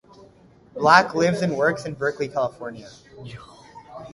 Black lives and works in Berkeley California.